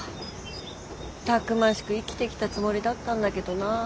たくましく生きてきたつもりだったんだけどなあ。